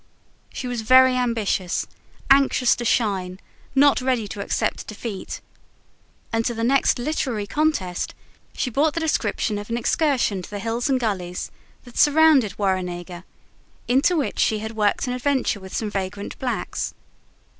She was very ambitious, anxious to shine, not ready to accept defeat; and to the next literary contest she brought the description of an excursion to the hills and gullies that surrounded Warrenega; into which she had worked an adventure with some vagrant blacks.